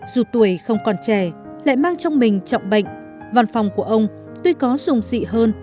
dù tuổi không còn trẻ lại mang trong mình trọng bệnh văn phòng của ông tuy có dùng dị hơn